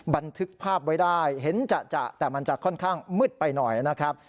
บันทึกภาพไว้ได้เห็นจะแต่มันจะค่อนข้างมืดไปหน่อยนะครับ